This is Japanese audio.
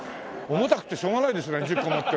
重たくてしょうがないですね１０個持ってりゃ。